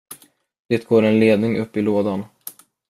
Det går en ledning upp i lådan.